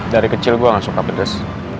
dari kecil gue gak suka pedes